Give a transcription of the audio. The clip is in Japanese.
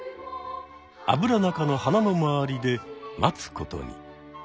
アブラナ科の花の周りで待つことに。